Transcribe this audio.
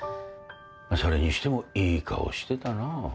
それにしてもいい顔してたな。